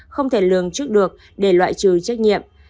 không thể lường trước được để loại trừ trách nhiệm